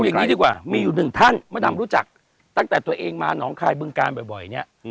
อย่างนี้ดีกว่ามีอยู่หนึ่งท่านมดำรู้จักตั้งแต่ตัวเองมาหนองคายบึงการบ่อยเนี่ย